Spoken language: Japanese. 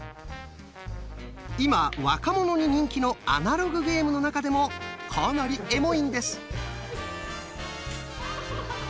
今若者に人気のアナログゲームの中でもかなり「エモい」んです。